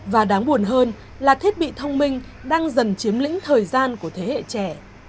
và đáng buồn hơn là thiết bị thông minh đang dần chiếm lĩnh thời gian của thế hệ trẻ